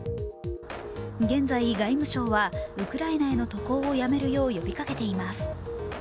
現在、外務省はウクライナへの渡航をやめるよう呼びかけています。